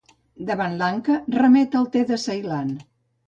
Davant Lanka remet al te de Ceilan.